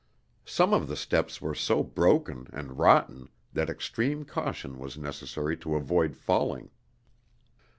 Some of the steps were so broken and rotten that extreme caution was necessary to avoid falling.